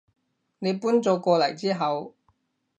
你搬咗過嚟之後